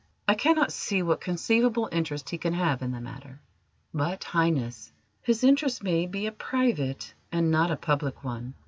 I cannot see what conceivable interest he can have in the matter." "But, Highness, his interest may be a private and not a public one."